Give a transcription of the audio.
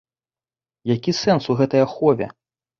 Які сэнс у гэтай ахове?